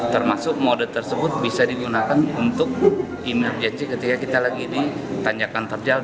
termasuk mode tersebut bisa digunakan untuk imejasi ketika kita lagi di panjakan perjalanan